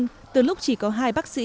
thư thalassemia đã trở thành một bệnh nhân